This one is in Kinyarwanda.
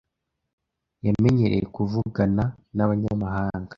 Yamenyereye kuvugana nabanyamahanga.